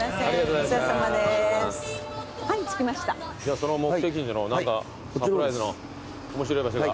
その目的地の何かサプライズの面白い場所が。